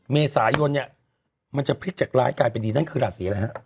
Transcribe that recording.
เมษายนเนี่ยมันจะพลิกจากร้ายกลายเป็นดีนั่นคือราศีอะไรฮะ